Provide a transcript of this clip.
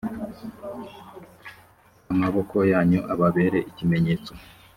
amaboko yanyu ababere ikimenyetso